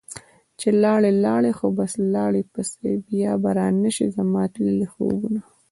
چې لاړي لاړي خو بس لاړي پسي ، بیا به رانشي زما تللي خوبه